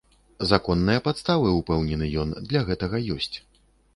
Законныя падставы, упэўнены ён, для гэтага ёсць.